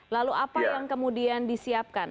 lalu apa yang kemudian disiapkan